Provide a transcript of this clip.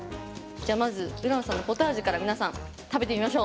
じゃあまずＵｒａＮさんのポタージュから皆さん食べてみましょう！